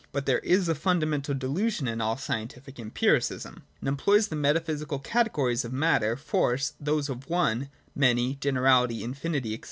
But there is a funda mental delusion in all scientific empiricism. It employs the metaphysical categories of matter, force, those of one, many, generality, infinity, &c.